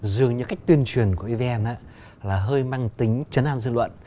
dường như cách tuyên truyền của evn là hơi mang tính chấn an dư luận